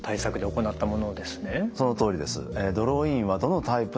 そのとおりです。